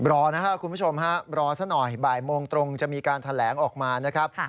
รอนะครับคุณผู้ชมฮะรอสักหน่อยบ่ายโมงตรงจะมีการแถลงออกมานะครับ